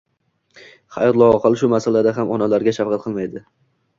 Hayot loaqal shu masalada ham onalarga shafqat qilmaydi.